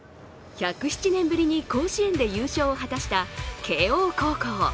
１０７年ぶりに甲子園で優勝を果たした慶応高校。